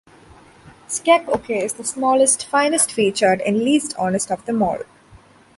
SkekOk is the smallest, finest-featured, and least honest of them all.